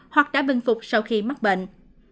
hoặc đã bình phục sau khi mắc bệnh